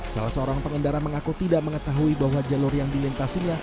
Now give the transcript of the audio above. salah seorang pengendara mengaku tidak mengetahui bahwa jalur yang dilintasinya